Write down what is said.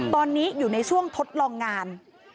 ตอนนี้อยู่ในช่วงทดลองงาน